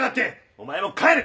お前も帰れ！